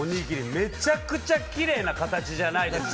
めちゃくちゃキレイな形じゃないですか？